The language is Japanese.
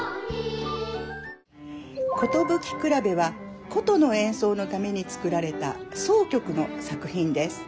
「寿くらべ」は箏の演奏のために作られた箏曲の作品です。